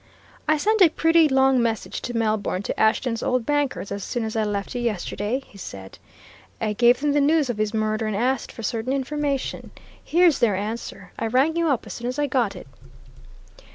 "I sent a pretty long message to Melbourne, to Ashton's old bankers, as soon as I left you yesterday," he said. "I gave them the news of his murder, and asked for certain information. Here's their answer. I rang you up as soon as I got it."